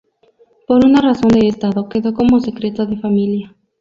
Por una razón de Estado quedó como "secreto de familia".